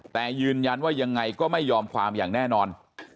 แต่ยืนยันว่ายังไงก็ไม่ยอมความอย่างแน่นอน